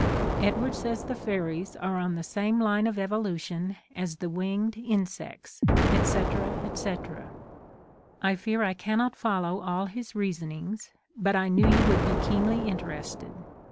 / Edward says the fairies are on the same \ line of evolution as the winged insects, etc., etc. I fear I cannot follow all his reason ings, but I knew you would be keenly inter ested.